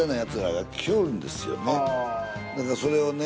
だからそれをね